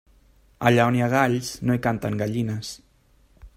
Allà on hi ha galls, no hi canten gallines.